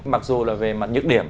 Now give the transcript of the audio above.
mặc dù là về mặt nhược điểm